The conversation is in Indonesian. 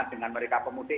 dengan mereka pemudik